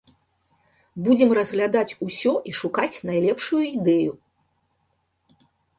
Будзем разглядаць усё і шукаць найлепшую ідэю.